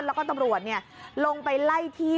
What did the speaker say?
แล้วก็ตำรวจลงไปไล่ที่